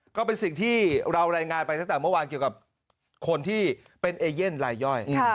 ก็เป็นสิ่งที่เรารายงานไปตั้งแต่เมื่อวานเกี่ยวกับคนที่เป็นเอเย่นลายย่อย